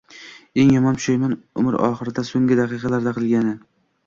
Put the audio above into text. Eng yomon pushaymon – umr oxirida, so‘nggi daqiqalarda qilingani.